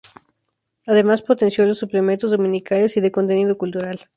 Además potenció los suplementos dominicales y de contenido cultural.